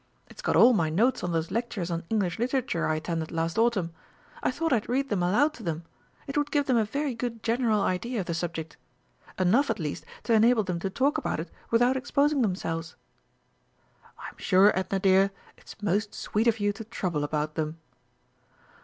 It's got all my notes on those lectures on English Literature I attended last Autumn. I thought I'd read them aloud to them. It would give them a very good general idea of the subject. Enough, at least, to enable them to talk about it without exposing themselves." "I'm sure, Edna dear, it's most sweet of you to trouble about them."